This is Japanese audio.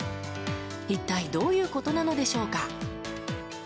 一体どういうことなのでしょうか。